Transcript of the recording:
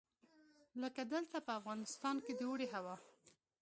لکه دلته په افغانستان کې د اوړي هوا.